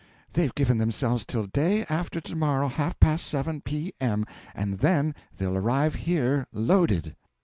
They've given themselves till day after to morrow, half past 7 P.M., and then they'll arrive here loaded.